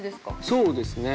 そうですね。